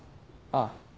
ああ。